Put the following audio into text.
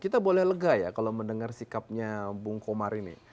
kita boleh lega ya kalau mendengar sikapnya bung komar ini